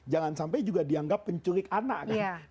jangan sampai juga dianggap penculik anak kan